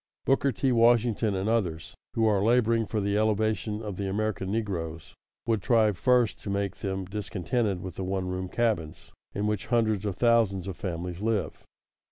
Booker T. Washington, and others who are laboring for the elevation of the American negroes, would try first to make them discontented with the one room cabins, in which hundreds of thousands of families live.